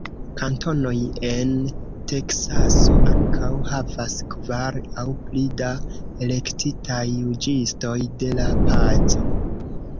Kantonoj en Teksaso ankaŭ havas kvar aŭ pli da elektitaj Juĝistoj de la Paco.